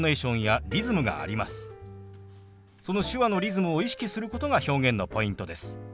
その手話のリズムを意識することが表現のポイントです。